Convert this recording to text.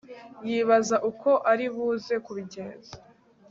yibaza uko aribuze kubigenza